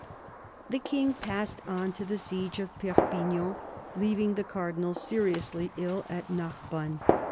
The King passed on to the siege of Perpignan, leaving the Cardinal seriously ill at Narbonne.